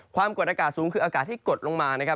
ความกดอากาศสูงคืออากาศที่กดลงมานะครับ